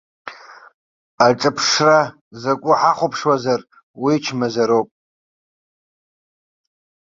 Аҿыԥшра закәу ҳахәаԥшуазар уи чмазароуп.